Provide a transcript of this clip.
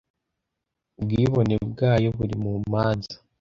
Ubwibone bwayo buri mumanza.